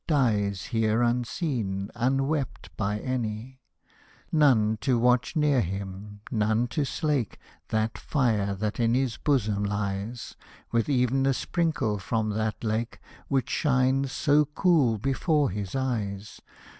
Dies here unseen, unwept by any ! None to watch near him — none to slake That fire that in his bosom lies. With ev'n a sprinkle from that lake. Which shines so cool before his eyes.